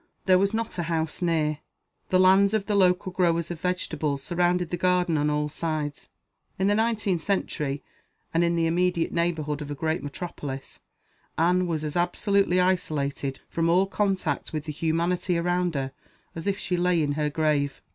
There was not a house near. The lands of the local growers of vegetables surrounded the garden on all sides. In the nineteenth century, and in the immediate neighborhood of a great metropolis, Anne was as absolutely isolated from all contact with the humanity around her as if she lay in her grave.